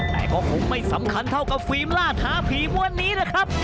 แต่ก็คงไม่สำคัญเท่ากับฟิล์มล่าท้าผีวันนี้แหละครับ